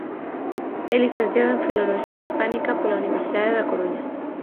É licenciado en Filoloxía Hispánica pola Universidade da Coruña.